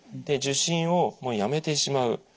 で受診をもうやめてしまう。